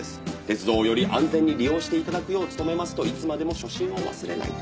「“鉄道をより安全に利用して頂くよう努めます”といつまでも初心を忘れない」